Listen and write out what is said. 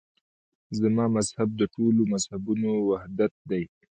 زما مذهب د ټولو مذهبونو وحدت دی.